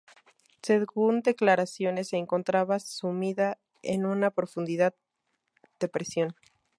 Según declaraciones se encontraba sumida en una profunda depresión.